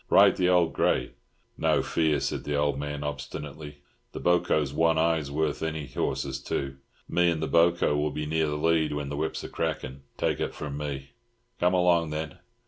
Ride the old grey." "No fear," said the old man obstinately, "the boco's one eye's worth any horse's two. Me an' the boco will be near the lead when the whips are crackin', take it from me." "Come along, then!"